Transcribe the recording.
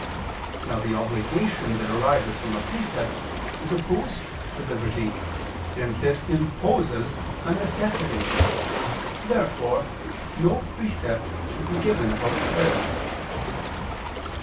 Now the obligation that arises from a precept is opposed to liberty, since it imposes a necessity. Therefore no precept should be given about charity.